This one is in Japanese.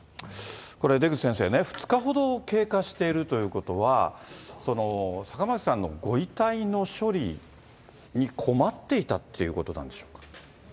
これ、出口先生ね、２日ほど経過しているということは、坂巻さんのご遺体の処理に困っていたということなんでしょうか。